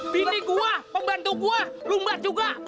bini gua pembantu gua lumbat juga